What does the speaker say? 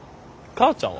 母ちゃん？